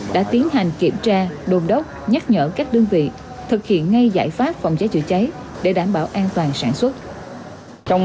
đã tiến hành kiểm tra đồn đốc nhắc nhở các đơn vị thực hiện ngay giải pháp phòng cháy chữa cháy để đảm bảo an toàn sản xuất